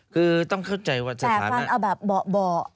คือต้องเข้าใจว่าสถานการณ์แปลฟันเอาแบบเบาะ